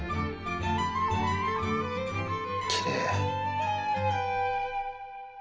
きれい。